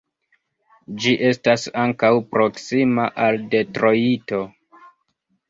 Ĝi estas ankaŭ proksima al Detrojto.